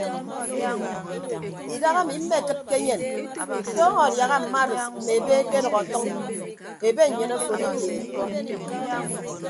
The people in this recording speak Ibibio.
Idaha ami mmekịd ke enyen tọọñọ adiaha mma arịd mme ebe ekedʌk ọtʌñ ebe nnyịn aforo iyeed.